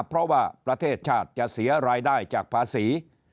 เพราะว่าประเทศชาติจะเสียรายได้จากภาษี